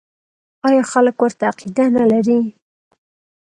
آیا خلک ورته عقیده نلري؟